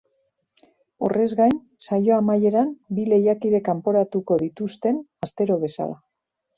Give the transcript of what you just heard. Horrez gain, saio amaieran bi lehiakide kanporatuko dituztem, astero bezala.